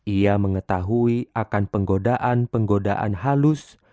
ia mengetahui akan penggodaan penggodaan halus